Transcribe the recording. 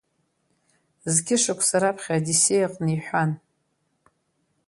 Зқьы шықәса раԥхьа Одиссеи аҟны иҳәан…